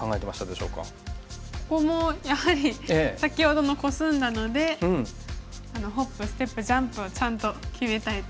ここもやはり先ほどのコスんだのでホップステップジャンプをちゃんと決めたいと。